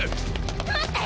待って！